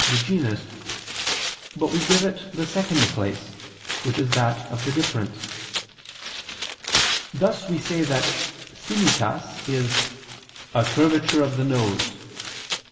the genus; but we give it the second place, which is that of the difference; thus we say that simitas is "a curvature of the nose."